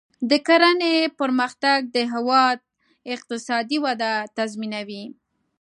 د کرنې پرمختګ د هیواد اقتصادي وده تضمینوي.